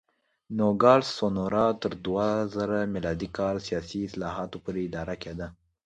نوګالس سونورا تر دوه زره م کال سیاسي اصلاحاتو پورې اداره کېده.